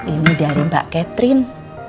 ini dari mbak catherine